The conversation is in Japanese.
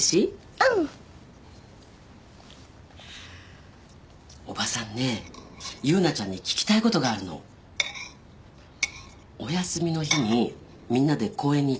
うんおばさんね優奈ちゃんに聞きたいことがあるのお休みの日にみんなで公園に行ったよね